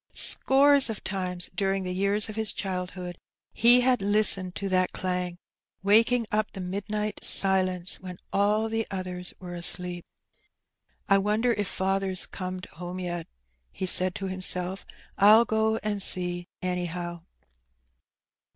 Scores of times during the years of his childhood he had Hstened to that clang, waking up the midnight silence when all the others were asleep. '^I wonder if father's comed home yet? '' he said to him self; ''I'll go and see, anyhow."